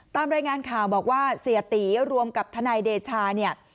ตามรายงานข่าวบอกว่าเสียตีรวมกับทนายเดชาเนี่ย